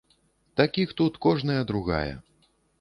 Такіх тут кожная другая.